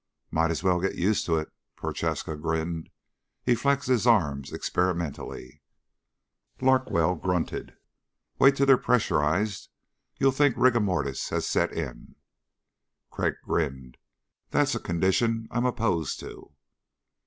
"Might as well get used to it." Prochaska grinned. He flexed his arms experimentally. Larkwell grunted. "Wait till they're pressurized. You'll think rigor mortis has set in." Crag grinned. "That's a condition I'm opposed to."